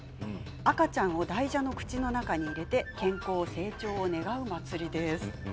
赤ちゃんを大蛇の口の中に入れて健康、成長を祝う祭りです。